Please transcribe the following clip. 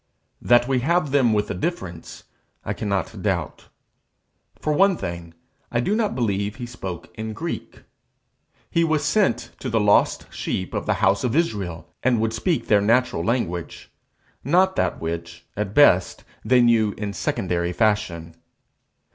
That we have them with a difference, I cannot doubt. For one thing, I do not believe he spoke in Greek. He was sent to the lost sheep of the house of Israel, and would speak their natural language, not that which, at best, they knew in secondary fashion.